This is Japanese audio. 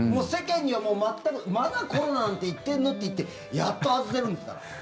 世間にはもう全くまだコロナなんて言ってんの？っていってやっと外せるんですから。